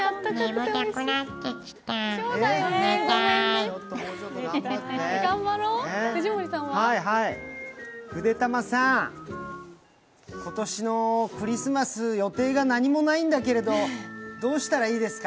眠くなってきた、寝たいぐでたまさん、今年のクリスマス、予定が何もないんだけどどうしたらいいですか？